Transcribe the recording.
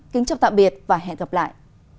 kính chào tạm biệt và hẹn gặp lại